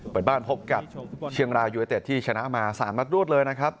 เปิดบ้านพบกับเชียงรายยูเนเต็ดที่ชนะมา๓นัดรวดเลยนะครับ